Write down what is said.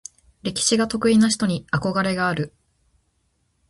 歴史が得意な人に憧れがある。